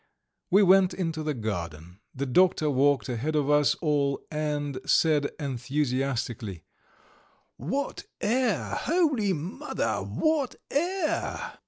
We went into the garden. The doctor walked ahead of us all and said enthusiastically: "What air! Holy Mother, what air!"